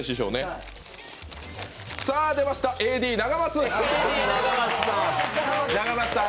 出ました、ＡＤ永松。